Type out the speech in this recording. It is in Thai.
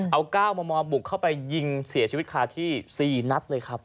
เอา๙มมบุกเข้าไปยิงเสียชีวิตคาที่๔นัดเลยครับ